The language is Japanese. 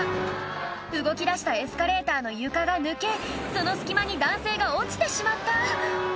動きだしたエスカレーターの床が抜けその隙間に男性が落ちてしまった